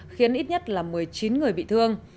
khiến ít nhất là một mươi chín người bị thương